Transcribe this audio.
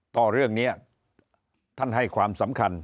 ก็เรื่องนี้ท่านให้ความสำคัญ